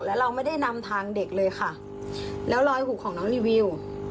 แล้วเราไม่ได้นำทางเด็กเลยค่ะแล้วรอยหูของน้องรีวิว